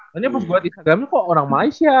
nanti pas gue di instagramnya kok orang malaysia